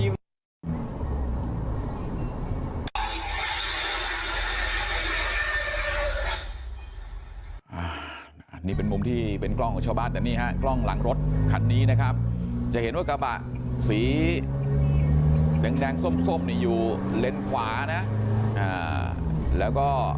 อันนี้เป็นมุมที่เป็นกล้องของชาวบ้านแต่นี่ฮะกล้องหลังรถคันนี้นะครับจะเห็นว่ากระบะสีแดงส้มนี่อยู่เลนขวานะแล้วก็